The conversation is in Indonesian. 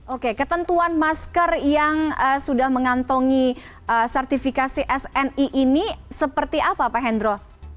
oke ketentuan masker yang sudah mengantongi sertifikasi sni ini seperti apa pak hendro